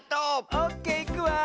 オッケーいくわ。